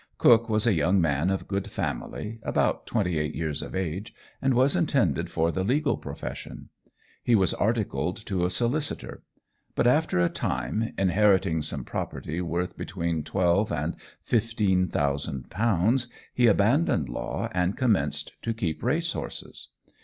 Cook was a young man of good family, about twenty eight years of age, and was intended for the legal profession. He was articled to a solicitor; but after a time, inheriting some property worth between twelve and fifteen thousand pounds, he abandoned law and commenced to keep racehorses.